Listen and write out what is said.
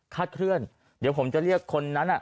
เคลื่อนเดี๋ยวผมจะเรียกคนนั้น